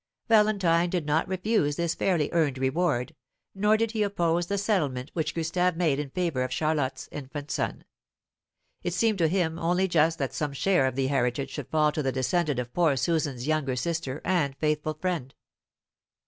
Valentine did not refuse this fairly earned reward, nor did he oppose the settlement which Gustave made in favour of Charlotte's infant son. It seemed to him only just that some share of the heritage should fall to the descendant of poor Susan's younger sister and faithful friend.